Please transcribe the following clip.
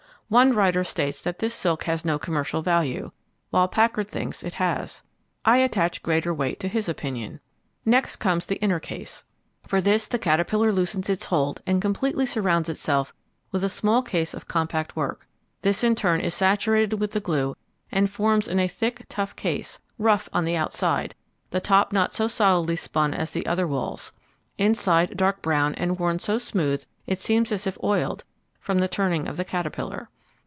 One writer states that this silk has no commercial value; while Packard thinks it has. I attach greater weight to his opinion. Next comes the inner case. For this the caterpillar loosens its hold and completely surrounds itself with a small case of compact work. This in turn is saturated with the glue and forms in a thick, tough case, rough on the outside, the top not so solidly spun as the other walls; inside dark brown and worn so smooth it seems as if oiled, from the turning of the caterpillar.